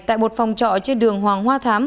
tại một phòng trọ trên đường hoàng hoa thám